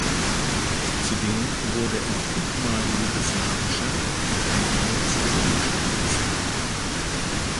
Zudem wurde er fünfmal jugoslawischer und dreimal slowenischer Meister.